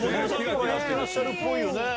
やってらっしゃるっぽいよね。